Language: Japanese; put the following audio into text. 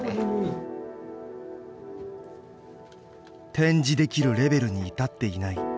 展示できるレベルに至っていない。